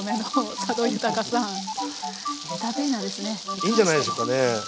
いいんじゃないでしょうかね。